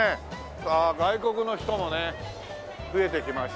あっ外国の人もね増えてきました。